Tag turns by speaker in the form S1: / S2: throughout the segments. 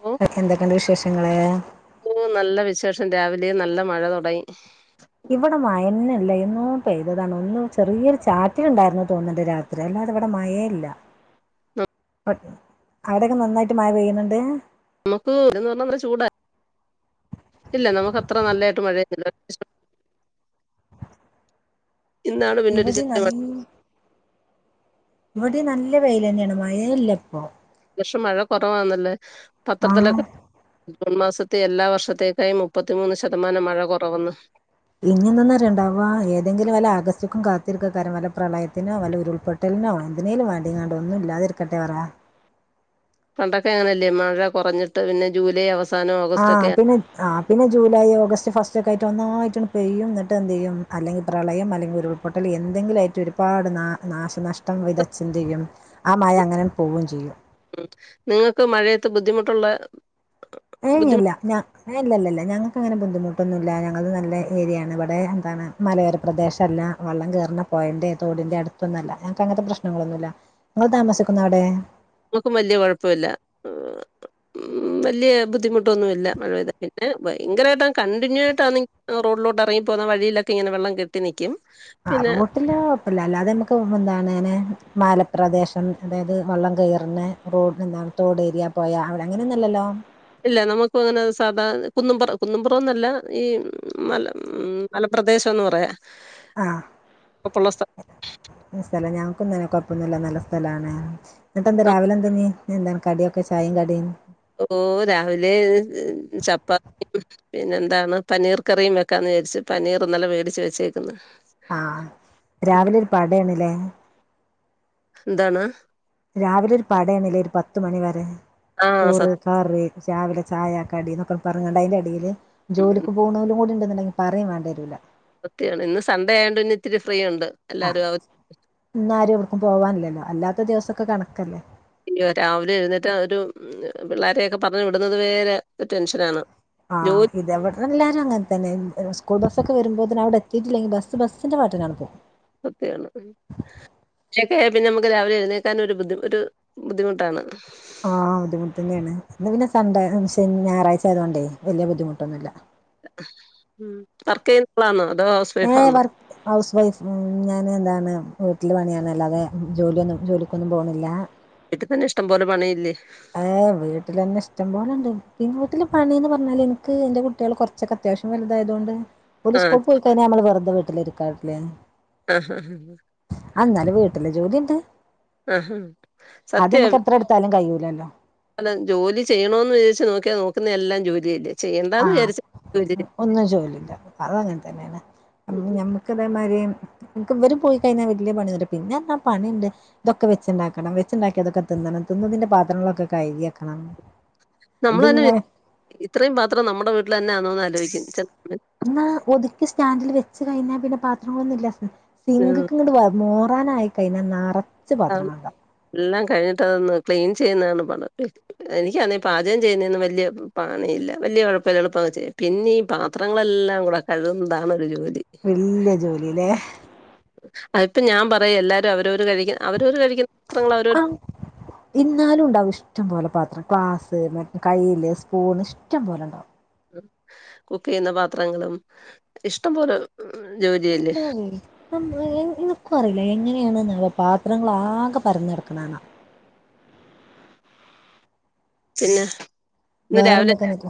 S1: ഓ
S2: എന്തൊക്കെയണ്ട് വിശേഷങ്ങള്
S1: നല്ല വിശേഷം രാവിലെ നല്ല മഴ തുൊടങ്ങി
S2: ഇവിടെ മയനല്ല ഇന്നോ പെയ്തതാണ് ഒന്ന് ചെറിയൊരു ചാറ്റില ഉണ്ടായിരുന്ന തോന്നണ്ട രാത്രി അല്ല വിടെ മഴ ഇല്ല അവിടെൊക്കെ നന്നായിട്ട് മഴ പെയ്യുന്നുണ്ട്
S1: നമുക്ക് എന്ന് പറഞ്ഞന്ന ചൂടാ ഇല്ല നമുക്ക് അത്ര നല്ലായിട്ട് മഴെയ്യുന്നില്ല ഇന്നാണ് പിന്നൊ
S2: ഇവിടെ
S1: [unintelligible]
S2: നല്ല ഇവിടെ നല്ല വെയിൽ തന്നെയാണ് മഴല്ലപ്പൊ
S1: പക്ഷം മഴ കുറവാന്നല്ലേ
S2: ആഹ്
S1: പത്രത്തിലൊക്കെ ജൂൺ മാസത്തെ എല്ലാ വർഷത്തേക്കായും മുപ്പത്തിമൂന്ന് ശതമാനം മഴ കുറവന്നു
S2: ഇനിന്ന ഉണ്ടാവാ ഏതെങ്കിലും വല്ല അഗസ്ക്കും കാത്തിരിക്കക്ക കാര വല പ്രളയത്തിനോ വല ഉരുൾപെട്ട നോ എന്തിനേലും വേണ്ടിങ്ങാണ്ട ഒന്നും ഇല്ലാതിരിക്കട്ടെ പറയാ
S1: പണ്ടൊക്കെ അങ്ങനെയല്ലേ മഴ കുറഞ്ഞിട്ട് പിന്നെ ജൂലൈ അവസ്ഥ
S2: ആ പിന്നെ ആ പിന്നെ ജൂലൈ ഓഗസ്റ്റ് ഫസ്റ്റ് ഒക്കെ ആയി മ ഒന്നായിട്ടാണ് പെയ്യും എന്നട്ട് എന്ത് ചെയ്യും അല്ലെങ്കിൽ പ്രളയം അല്ലെങ്കിൽ ഉരുൾപൊട്ടൽ എന്തെങ്കിലുംയിട്ട് ഒരുപാട് നാ നാശനഷ്ടം വിതച്ഛിന്തി ചെയ്യും ആ മഴ അങ്ങനെ പോവുകയും ചെയ്യും
S1: ഉ നിങ്ങൾക്ക് മഴയത്ത് ബുദ്ധിമുട്ടുള്ള
S2: ഏല്ല
S1: ബുദ്ധിമുട്ട്
S2: ഞല്ലല്ലല്ല ഞങ്ങക്ക് അങ്ങനെ ബുദ്ധിമുട്ട് പട്ടൊന്നുംുമില്ല ഞങ്ങത് നല്ല ഏരിയാണ് ഇവിടെ എന്താണ് മലയോര പ്രദേശമല്ല വെള്ളം കയറുന്ന പോയന്് ത ന്റെ അടുത്തൊന്നല്ല ഞങ്ങക്ക് അങ്ങനത്തെ പ്രശ്നങ്ങളൊന്നുമല്ല നിങ്ങൾ താമസിക്കുന്ന അവിടെ
S1: നമുക്കും വല്യ കൊഴപ്പില്ല വലിയ ബുദ്ധിമുട്ടൊന്നുമല്ല മഴ പ്ത പിന്നെ ഭയങ്കരമായിട്ട് കണ്ടിന്യൂ ആയിട്ടാണ് റോഡിലോട്ട് പറങ്ങ പോകുന്ന വഴയിലൊക്കെ ഇങ്ങന വെള്ളം കെട്ടി നിക്കും
S2: ആ റോട്ടില് കുഴപ്പല്ല അല്ലാതെ നമ്മക്ക് എന്താണ് അങ്ങനെ മാലപ്രദേശം അതായത് വള്ളം കയറിന് റോഡ് എന്താണ് തോഡ് ഏരിയ പോയാൽ അവിടെ അങ്ങനെയൊന്നല്ലല്ലോ
S1: ഇല്ല നമുക്ക അങ്ങനെ സാധാ കുന്നുംപറം കുന്നും്പുറംന്നല്ല ഈ മല ഉ മലറ പ്രദേശം എന്ന് പറയാ
S2: ആഹ
S1: അപ്പൊള്ള സ്ഥ
S2: മല ഞാ കൊക്കുന്നനെ കൊഴപ്പന്നില്ല നല്ല സ്ഥലമാണ് എന്നിട്ട് എന്താ
S1: നം-
S2: രാവിലെ എന്ത നീ എന്താണ് കടിയൊക്കെ ചായയും കടിയും
S1: ഓ രാവിലെ ചപ്പാത്തിയും പിന്നെ എന്താണ് പനീർ കറിയും വെക്കാ രി പനീർന്നല്ല വേടിച്ച് വെച്ചേക്കുന്നു
S2: ആഹ രാവിലെ ഒരു പടയാണല്ലേ
S1: എന്താണ്
S2: രാവിലെ ഒരു പടയണില്ലേ ഒരു പത്ത് മണിവരെ
S1: ആഹ് സ
S2: ചോറ് കറി ചാവിലെ ചായ കടി എന്നന്നൊക്കെ പറഞ്ഞണ്ട അതിന്റെ അടിയില് ജോലിക്ക് പോകണ പോലും കൂടി ഉണ്ടുണ്ടെങ്കിൽ പറയും വേണ്ടേ വരൂല്ല
S1: ഒത്തിയാണ് ഇന്ന് സൺണ്ടേ ആയണ്ട് ഇന്ന ഇത്തിരി ഫ്രീ ഉണ്ട്
S2: ആഹ
S1: എല്ലാരും
S2: ഇന്നാരും എവിടക്കും പോവാനില്ലല്ലോ അല്ലാത്ത ദിവസൊക്കെ കണക്കല്ലേ
S1: അയ്യോ രാവിലെ എഴുന്നിട്ട് ഒരു പിള്ളോരെയൊക്കെ പറഞ്ഞ് വിടുന്നത് വേരെ ടെൻഷന ആാണ്
S2: ആഹ് ഇത അവടെ എല്ലാരും അങ്ങനെ തന്നെ സ്കൂൾ ബക്കെ വരുോന്ന അവിടെ എത്തിട്ടില്ലെങ്കിൽ ബസ്സിന്റൊട്ടിലാണ് പോും
S1: സത്യാണ്ക്ക പിന്നെ നമുക്ക് രാവിലെ എഴുന്നേക്കാൻ ഒരു ഒരു ബുദ്ധിമുട്ടാണ്
S2: ആഹ് ബുദ്ധിമുട്ട് തന്നെയാണ് ഇന്ന് പിന്നെ സ ഞായറാഴ്ച ആതോൊണ്ടേ വലിയ ബുദ്ധിമുട്ടൊന്നുമല്ല
S1: ഉ വർക്ക നളാന്നോ അ
S2: ഏ വർക്ക് ഹൗസ് വൈഫ് ഞാൻ എന്താണ് വീട്ടിൽ പണിയാണ് അല്ലാതെ ജോലിയൊന്നും ജോലിക്കൊന്നും പോണില്ല
S1: വീട്ടിൽ തന്നെ ഇഷ്ടം പോലെ പണിയില്ലേ
S2: ഏ വീട്ടിൽ തന്നെ ഇഷ്ടംപോലെണ്ട് പിന്നെ വീട്ടില് പണിന്ന് പറഞ്ഞാല് എനിക്ക് എറെ കുട്ടികൾ കുറച്ചൊക്കെ അത്യാവശ്യം വലുതുകൊണ്ട് പോലീ
S1: ആഹ്
S2: സ്കൂട്ട പോയി കഴിഞ്ഞാ നമ്മള് വെറുത വീട്ടിലിരിക്കാറില്ലേ
S1: ആഹ
S2: ജോണ്ട് അത് നമക്ക് എത്ര എടുത്താലും കഴ
S1: അല ജോലി ചെയ്യണന്ന് വിചാരിച്ചു നോക്കിയാ നോക്കുന്ന എല്ലാം ജോലി ഇല്ലേ ചെയ്യണ്ടന്ന്
S2: ആഹ്
S1: വിചാരിച്ച ജോലി
S2: ഒന്നും ജോലില്ല അതങ്ങനെ തന്നെയാണ്
S1: ഉം.
S2: ഞമ്മുക്ക ഇതേമാരി എനി ഇവും പോയി കഴിഞ്ഞാൽ വലിയ പണിന്നണ്ട് പിന്നെ എന്നാ പണിുണ്ട് ഇതൊക്കെച്ചുണ്ടാക്കണം വെച്ചുണ്ടാക്കി അതൊക്കെന്ന നനത്തുന്നതിന്റെ പാത്രങ്ങളൊക്കെ കയതിയാക്കണം
S1: നമ്മൾ തന്നെ ഇത്രയും പാത്രം നമ്മുടെ വീട്ടിൽ തന്നെ ആണോന്ന് ആലോചിക്കും സമയത്ത്.
S2: എന്നാ ഒതുക്കി സ്റ്റാൻഡിൽ വെച്ച് കഴിഞ്ഞാൽ പിന്നെ പാത്രങ്ങളൊന്നും ഇല്ല
S1: ഉം.
S2: സിങ്കക്ക ഇങ്ങോ ാനായി കഴിഞ്ഞ നാറ
S1: എല്ലാം കഴിഞ്ഞിട്ട്തൊന്ന് ക്ലീൻ ചെയ്യുന്നതാണ് പണം എനിക്കന്ന് ഈ പാചകം ചെയ്യുന്നതും വലിയ പണ ഇല്ല വലിയ കുഴപ്പമില്ല എളുപ്പമ ചെയ്യും പിന്നെ പാത്രങ്ങളെല്ലാം കൂടെ കഴുകുന്നതാണ് ഒരു ജോലി
S2: വലിയ ജോലിയില്ലേ
S1: അതിപ്പം ഞാൻ പറ എല്ലാരും അവരവര് കഴിക്ക
S2: ആ ഇാലും ഉണ്ടാവും ഇഷ്ടം പോോലെ പാ ഗ്ലാസ് കൈയില് സ്പൂൺ ഇഷ്ടം പോലെ ഉണ്ടാവും
S1: കുക്ക് ചെയ്യുന്ന പാത്രങ്ങളും ഇഷ്ടംപലെ
S2: ഉണ്ട പറയില്ല എങ്ങനെയാണ് പാത്രങ്ങളാകെ പരഞ്ഞടക്കണന്നാ
S1: പിന്നെ ഇന്ന്
S2: വേറെ
S1: രാവിലെ
S2: എന്തൊക്ക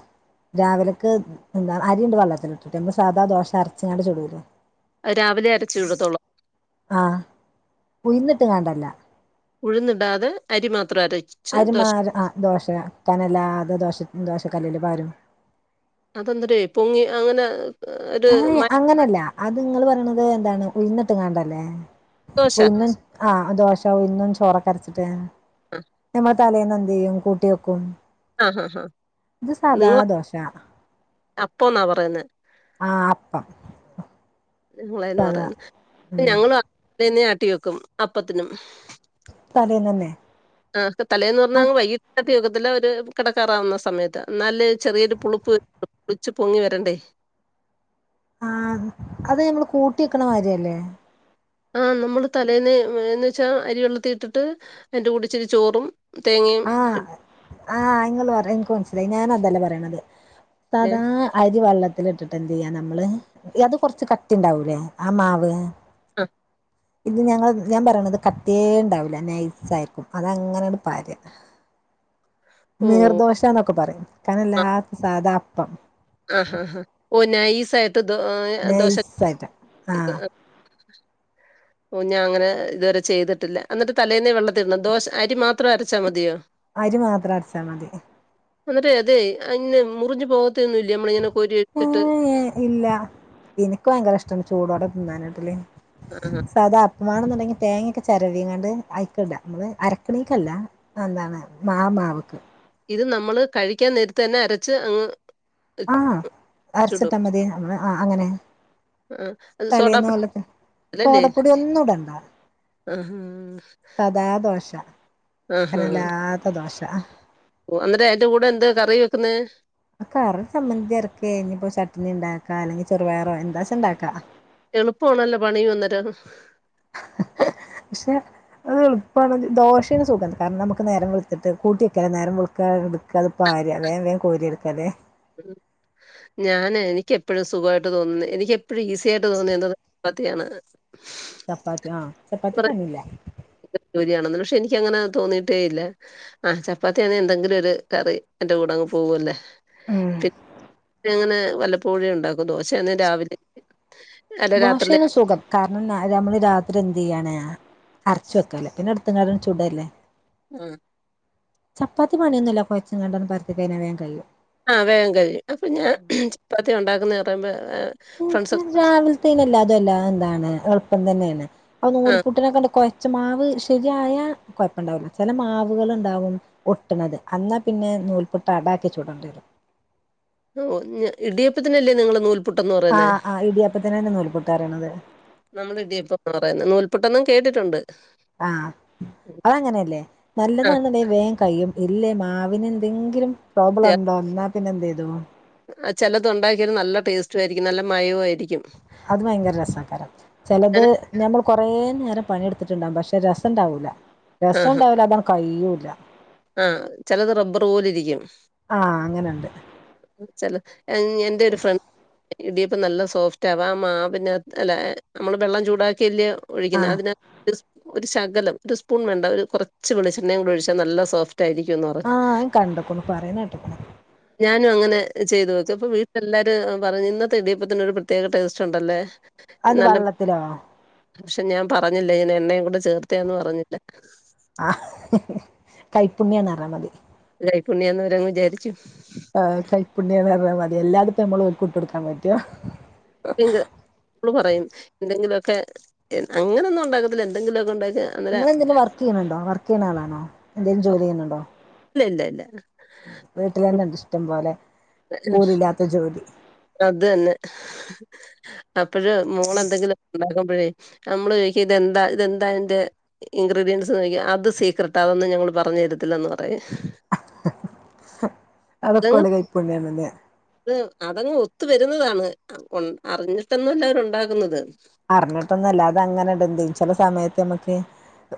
S2: രാവിലൊക്ക്െ എന്താ അരിയണ്ട് വള്ളത്തിലിട്ടിട്ട് നമ്മ സാ ദോശ അരച്ചിങ്ങാട് ചൊടുൂലോ
S1: രാവിലെ അരച്ചു ഇഴതോളൂ
S2: ആഹ കുയന്നിട്ട് കണ്ടല്ല
S1: ഉഴുന്ന്ടാതെ അരി മാത്ര
S2: അരുമാര ആ ദോശ കാനല്ലാതെ ദോഷ ദോശക്കല്ലിൽ പാരും
S1: അതോന്നൊര് പൊങ്ങി അങ്ങനെ ഒരു
S2: അയ് അങ്ങനല്ല അത്ങ്ങൾ പറണത് ന്താണ് ഉയ്ന്ന് ട്ട്കാണ്ടല്ലേ
S1: മരദോശ
S2: ഉയ്ന്ന് ച്ച് ആഹ ദോശ ഉഴുന്നും ചോറക്കരച്ചിട്ട് ഞമ്മൾ തലേന്ന് എന്തയ്യും കൂട്ടേക്കും
S1: ആ ആ ഹാ
S2: ഇത് സാദാ ദോശ
S1: പ്പോന്ന പറയുന്നെ
S2: ആഹ അപ്പം സാദാ
S1: ഇങ്ങളെനുപറയുന്നേ
S2: ഉം
S1: [unintelligible] ന്നെ അട്ടി വെക്കും അപ്പത്തിനും
S2: തലേന്നനെ
S1: ആഹ തലേന്നന്ന്പറഞ്ഞാ അങ്ങ് വൈകിട്ടേ ട്ടിവക്കത്തില്ല ഒരു കിടക്കാറാവുന്ന സമയത്ത് എന്നാലല്ലേ ചെറിയൊരു പുളിപ്പ് പുളിച്ച് പൊങ്ങി വരണ്ടേ
S2: ആഹ അത് യമ്മൾ കൂട്ടിക്കണമാതിരിയല്ലേ
S1: ആഹ് ന്നമ്മള് തലേന്ന് ന്ന്ച്ചാ അരിവെള്ളത്തി ഇട്ടിട്ട് അതിന്റെ കൂട്ടത്തി ഇിച്ചിരി ചോറും തേങ്ങയും
S2: ആ ആ ങ്ങള് പറി എനിക്ക് മനസിലായി ഞാനതല്ല പറയണത്
S1: ഏ,
S2: സദാ അരി വള്ള ല്ട്ടിട്ട് എന്ത്യ്യ നമ്മള് അത് കൊറച്ച് കട്ടിണ്ടാവൂല്ലേ ആ മാവ്
S1: ആ
S2: ഇത് ഞങ്ങള്ൾ ഞാ പറയണത് കട്ടിയേണ്ടാവൂല നൈസയിരിക്കും അത അങ്ങനണ്ട് പാര
S1: ഓ
S2: ന്നീർദോശന്നൊക്കെ പറയും കാനല്ലാത്ത സാധാ അപ്പം
S1: ആഹാഹാ ഓനായ്സായിട് ദോ ദോശ [inaudible] [inaudible]
S2: നൈസായിട്ട് ആ
S1: ഓ ഞാഅങ്ങനെ ഇതുവരെ ചെയ്തിട്ടില്ല എന്നിട്ട് തലേന്നേ വെള്ളത്തിടണം ദോശ് അരി മാത്രം അരച്ചാൽ മതിയോ?
S2: അരി മാത്രഅര്ച്ചാ മതി
S1: അന്ന്ട്ടേ അതെ അയ്നെ മുറിഞ്ഞു പോകതോന്നുലെ
S2: അങ്ങനെ യെ ഇല്ല എനിക്ക് ഭയങ്കര ഇഷ് ച്ചൊന്ന് ചൂടോടെതിന്നനാട്ടിൽ
S1: ആഹാ
S2: സദാപ്പം വണന്ന്ണ്ടാങ്കില് തേങ്ങക്കെ ചേരാവിങ്ങണ്ട് ട് അയ്ക്ടാ മ്മള് അരക്കണേക്കല്ല എന്താണ് മാ മാവ്ക്ക്
S1: ഇത് നമ്മള് കഴിക്കാൻ നേരത്ത് തന്നെ അരച്ച് അങ്ങ്
S2: ആ
S1: ചുടും
S2: അരച്ട്ടാമതി ആ് അങ്ങനെ
S1: ആഹ് അത് സോഡാപ്പൊടിയല്ലേ
S2: തലേന്ന്ഒലൊക്കെ സോടപ്പൊടി ഒന്നുടണ്ട
S1: ആഹു
S2: സദാ ദോഷ
S1: ആഹ ഒഅന്നേറ്റം ഏറ്റുകൂടുതൽ എന്താ കറി വെക്കുന്നെ?
S2: ആകറി ചമ്മന്തിഅരക്കെ ഇഞ്പ്പം ചട്ണിണ്ടാക്ക അല്ലെങ്കിൽ ചെറുപയറോ എന്താച്ചണ്ടക്ക
S1: എളുപ്പാണല്ലോ പണിയന്നേരം
S2: ച്ചേ അത്ൾപ്പാണ് ദോശേണ് സുഖം കാരണം നമുക്ക് നേരംവെൾതിട്ട് കൂട്ടിയകാലോ നേരം വിളുക്കാ ഇടക്ക അത് പാര എ വേം കോരിയാട്കാലെ
S1: ഉം ഞാന് എനിക്യപ്പോഴും സുഖായിട്ട് തോന്നുന്നെ എനിക്ക്യപ്പോ പ്പയും ഈസി ആയിട്ട് തോന്നെ [inaudible] ത്തിയാണ്
S2: ചപ്പാത്തി ആ ചപ്പാത്തി പണില്ല
S1: ൻക്ക് അങ്ങനെ തോന്നീട്ടേ ഇല്ല ആ ചപ്പാത്തിയാണെ എന്തെങ്കിലും ഒരു കറി യ്ന്റെ കൂടെങ്ങ് പോവോല്ല
S2: ഉം
S1: പിന്ന [unintelligible] അങ്ങനെ വല്ലപ്പോഴേ ഉണ്ടാക്കു ദോശന്നെ രാവിലെ [inaudible] അല്ല രാത്രിയില്
S2: ദോശേണ് സുഖം കാരണ ന്ന ന്നമ്മള് രാത്രി എന്തയ്യണ് അരച്ച വെക്കലൊ പിന്നെ എട്ത് പിന്നതാണ്ട് ചൂടല്ലേ
S1: ഉഹും
S2: ചപ്പാത്തി പണിയൊന്നുല്ല കൊയ്ച്ങ്ങാണ്ട് പര്ത്തി കഴിഞാ വേം കഴിയും
S1: ആ വേഗം കഴിയും അപ്പൊ ഞാൻ ചപ്പാത്തി ഒണ്ടാക്കുന്ന പറയുമ്പോ ഫ്രണ്ട്സ്
S2: ഊംഊം രാവിൽത്തേനെല്ലാതെല്ലാ എന്താണ് എളുപ്പം തന്നെയാണ് ആ നൂൽപ്പുട്ടിനെക്കൊണ്ട് കൊയ്ച്ചമാവ് ശെരിയായ കൊയപ്പോണ്ടാവില്ല ചെല മാവുകളുണ്ടാവും ഒട്ടുണത് അന്നാപ്പിന്നെ നൂൽപുട്ടാ ബാക്കി ചുടണ്ടേരും
S1: ഓ ഞ്ഇടിയപ്പത്തിനല്ലേ നിങ്ങള് നൂൽ പ്പുട്ടെന്നു പറയുന്നെ
S2: ആഹ് ആഹ് ഇടിയപ്പത്തിനന്നെ നൂൽപുട്ട് പറയണത്
S1: നമ്മളിടിയപ്പംന്നാ പറയുന്നെ നൂൽ പ്പുട്ടെന്നും കേട്ടിട്ടുണ്ട്
S2: ആ അതങ്ങനെയല്ലേ
S1: ആഹ്
S2: നല്ലതാണെവേ വേങ്കഴിയും ഇല്ലേ മാവ് വിനെന്തെങ്കിലും
S1: ത്യാ ആചെലതൊണ്ടാക്കിയാലും നല്ല ടേസ്റ്റാരിക്കും നല്ല മയവുആയിരി
S2: അത് ഭയങ്കര രസകാരം ചെലത് ഞമ്മൾ കൊറേ നേരം പണിയെടുത്തിട്ടുണ്ടാകും പക്ഷെ രസം ഇണ്ടാവൂല രസോണ്ടാവൂല അപ്പ കയൂല്ല
S1: ആ ചെലത് റബ്ബറ് പോലിരിക്കും
S2: ആ അങ്ങനെണ്ട്
S1: ചെല എൻ എന്റെ ഒരു ഫ്രണ്ട് ഇടിയപ്പം നല്ല സോഫ്റ്റ് ആവാ ആമാവിനാത് അല്ല അമ്മള് വെള്ളം ചൂടാക്കി അല്ല്യേ
S2: ആ
S1: ഒഴിക്കുന്നെ അതിനാത് [unintelligible] ഒരു ശകലം ഒര് സ്പൂൺ വേണ്ട ഒരു കൊറച്ച് വെളിച്ചെണ്ണയും കൂടി ഒഴിച്ചാ നല്ല സോഫ് ട്ടായിരിക്കുംന്ന് പറഞ്ഞ്
S2: ആ കണ്ടക്കണു പറയണ കേട്ടക്കണു
S1: ഞാനും അങ്ങനെ ചെയ്തു ഓക്കിയപ്പോ വീട്ടിലെല്ലാരും പറഞ്ഞ് ഇന്നത്തെ ഇടിയപ്പത്തിനൊരു ഒരു പ്രത്യേക ടേസ്റ്റ് ഉണ്ടല്ലേ
S2: അത്
S1: നല്ല
S2: വള്ളത്തിലോ
S1: പക്ഷെ ഞാൻ പറഞ്ഞില്ല ഇങ്ങനെ എണ്ണേം കൂടെ ചേർത്തയാന്ന് പറഞ്ഞില്ല
S2: പുണ്യാന്നറാമതി
S1: കൈപ്പുണ്യാന്നവരങ്ങ് വിചാരിച്ചു
S2: ആ കൈപ്പുണ്യാന്നറഞ്ഞാമതി എല്ലാട്ത്തും മ്മ്ള് ഓരുക്ക്ട്ടൊടുക്കാമ്പറ്റ്വോ
S1: സിങ്ക് ള്ള് പറയും എന്തെങ്കിലുഒക്കെ അങ്ങനൊന്നും ഒണ്ടാക്കത്തില്ല എന്തെങ്കിലുഒക്കെ ഉണ്ടാക്ക
S2: ഇങ്ങളെന്തേലും വർക്ക് ചെയ്യണുണ്ടോ വർക്ക് ചെയ്യണ ആളാണോ എന്തേലും ജോലി ചെയ്യുന്നുണ്ടോ
S1: ഇല്ല ഇല്ല ഇല്ല
S2: വീട്ടിലന്നെണ്ട് ഇഷ്ടം പോലെ കൂലില്ലാത്ത ജോലി
S1: അത് തന്നെ അപ്പഴ് മോളെന്തെങ്കിലും ഒണ്ടാക്കുമ്പോഴേ നമ്മള് ചോ ക്കും ഇതെന്താ ഇതെന്താ ഇൻ്റെ ഇൻക്രീഡിയൻറ്സ്ന്ന് ചോയ്ക്കും അത് സീക്രട്ടാ അതൊന്നും ഞങ്ങള് പറഞ്ഞു തരത്തില്ലന്ന് പറയാം അതങ്ങ്
S2: അതൊക്കെഓലെ കൈപ്പുണ്യാണല്ലോ
S1: അത് അതങ്ങ് ഒത്തു വരുന്നതാണ് അം ഒൺ അറിഞ്ഞിട്ടൊന്നുവല്ല അവരൊണ്ടാക്കുന്നത്
S2: അറിഞ്ഞിട്ടൊന്നല്ലാതങ്ങനെടെന്ത് ചെല സമയത്ത് നമ്മ തേ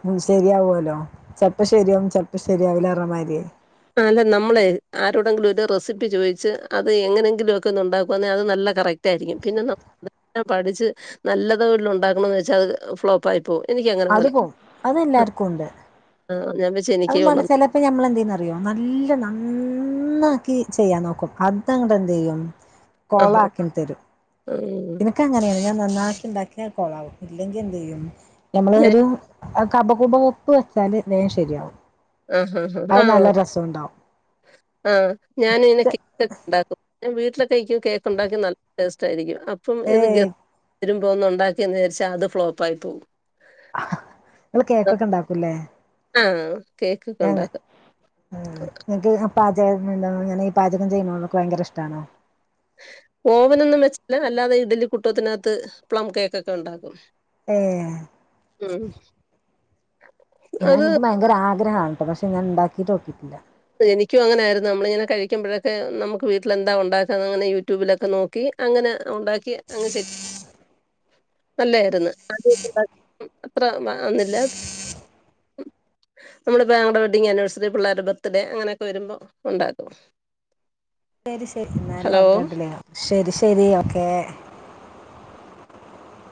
S2: ഉം ശെരിയാവുലോ ചെൽപ്പം ശരിയാവും ചെൽപ്പം ശരിയാവില്ലേറമാരിയേ
S1: ആ അല്ലെ നമ്മളെ ആരോടെങ്കിലും ഒരു റെസിപ്പി ചോയ്ച്ച് അത് എങ്ങനെങ്കിലും ഒക്കെ ഒന്നൊണ്ടാക്കുവാന്നെ അത് നല്ല കറക്റ്റ് റ്റാരിക്കും പിന്നെ ന [unintelligible] നല്ല പഠിച്ച് നല്ലതോഴിലൊണ്ടാക്കണമെന്ന്വച്ചാ അതൊരു ഫ്ലോപ്പ് ആയി പോവ്
S2: അത്
S1: എനിക്കങ്ങനെപോലാ
S2: പോവും
S1: ഹ
S2: അതുംബേണ്ട ചെലപ്പെ ഞമ്മളെന്തെയ്യ്ന്നറി ന്നറിയോ നല്ല നന്നാക്കി ചെയ്യാൻ നോക്കും അതങ്ങട്ടെന്ത് ചെയ്യും
S1: ആഹാ
S2: കോളാക്കിം തരും
S1: ഉം
S2: ഇനക്ക് അങ്ങനെയാണ് ഞാൻ നന്നാക്കി ഉണ്ടാക്കിയാൽ കൊളാകും ഇല്ലെങ്കി എന്ത് ചെയ്യും നമ്മള്
S1: ഞാൻ
S2: ഒരു കപകൂപ ഉപ്പ് വെച്ചാല് നേശെരിയാവും
S1: ആഹാ ഹാ
S2: അത്
S1: ആ
S2: നല്ല രസവുണ്ടാവും
S1: ആഹ് ഞാനിനെ കേ ക്ക് ഒണ്ടാക്കും ഞാൻ വീട്ട്ലൊക്കെ ഇക്ക് കേക്ക് ഒണ്ടാക്കി നല്ല ടേസ്റ്റ് ആരിക്കും അപ്പം ഇത്
S2: ഏയ്
S1: ഗത് വരുമ്പോ ഒന്ന് ഒണ്ടാക്കിന്ന് വിചാരിച്ചാ അത് ഫ്ലോപ്പ് ആയി പോകും
S2: നിങ്ങള് കേക്കൊക്കെ ഇണ്ടാക്കൂല്ലേ
S1: ആഹ് കേക്കൊക്കെ
S2: ഉം
S1: ഉണ്ടാക്കും.
S2: ന്ന്ക്ക് പാചകം [unintelligible] ഈ പാചകം ചെയ്യുന്നോത് ഭയങ്കര ഇഷ്ടാണോ
S1: ഓവനൊന്നും വെച്ചല്ല അല്ലാതെ ഇഡ്ഡലി കുട്ടോത്തിനാത്ത് പ്ലം കേക്കൊക്കെ ഒണ്ടാക്കും
S2: ഏഹ്
S1: [unintelligible]
S2: പിന്ന
S1: അത്
S2: എനിക്ക് ഭയങ്കരാ ഗ്രഹണ് ട്ടൊ പക്ഷെ ഞാൻ ഇണ്ടാക്കിട്ടൊന്നുല്ല.
S1: എനിക്കും അങ്ങനെയയിരുന്നു നമ്മളിങ്ങനെ കഴിക്കുമ്പഴൊക്കെ നമുക്ക് വീട്ടിലെന്താ ഉണ്ടാക്കാന്നതെന്ന് യൂട്യൂബിലൊക്കെ നോക്കി. അങ്ങനെ ഉണ്ടാക്കി അങ്ങ് ശരി. അല്ലായിരുന്നു ആ അത്ര വ വന്നില്ല. നമ്മുടെ ഭായുടെ വെഡിങ് ആനിിവേഴ്സറി പിള്ളോര ഭത്ത്- അതെ അങ്ങനെയൊക്കെ വരുമ്പോ ഉണ്ടാക്കും.
S2: ശരി ശരി എന്നാലും
S1: ഹലോ
S2: ഓക്കേ ട്ടിലെ ശരി ശരി ഒക്കെ.